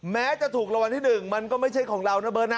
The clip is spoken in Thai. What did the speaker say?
แม้จะถูกระวังที่หนึ่งมันก็ไม่ใช่ของเรานะเบิร์ตนะ